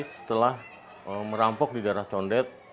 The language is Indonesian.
setelah merampok di darah condet